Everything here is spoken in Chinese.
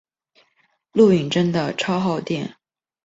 录影真的超耗电